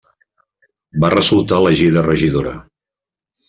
Va resultar elegida regidora.